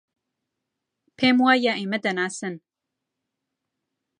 پێم وایە ئێمە دەناسن.